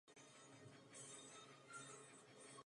Alžběta se o to okamžitě zajímala a sestry ji v tom podporovaly.